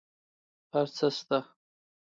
هر څه شته